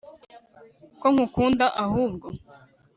ko ngukunda ahubwo